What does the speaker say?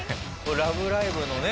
『ラブライブ！』のね